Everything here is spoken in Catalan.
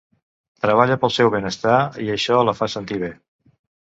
Treballa pel seu benestar i això la fa sentir bé.